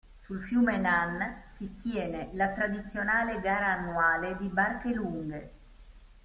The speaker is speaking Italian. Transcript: Sul fiume Nan, si tiene la tradizionale gara annuale di barche "lunghe".